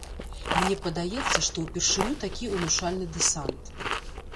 Мне падаецца, што ўпершыню такі ўнушальны дэсант.